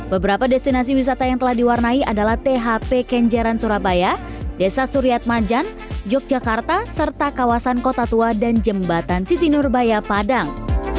beberapa destinasi wisata yang telah diwarnai adalah thp kenjeran surabaya desa suriat majan yogyakarta serta kawasan kota tua dan jembatan siti nurbaya padang